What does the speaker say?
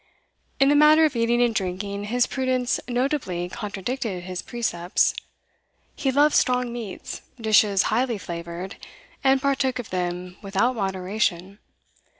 In the matter of eating and drinking his prudence notably contradicted his precepts. He loved strong meats, dishes highly flavoured, and partook of them without moderation.